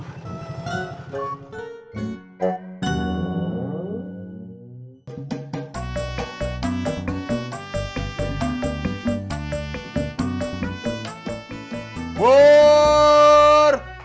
tidak ada apa apa